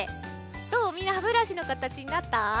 どうみんな歯ブラシのかたちになった？